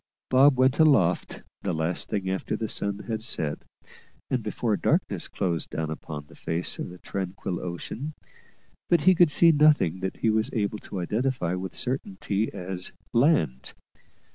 Bob went aloft the last thing after the sun had set, and before darkness closed down upon the face of the tranquil ocean, but he could see nothing that he was able to identify with certainty as land.